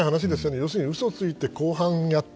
要するに、嘘をついて公判をやって